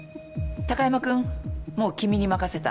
貴山君もう君に任せた。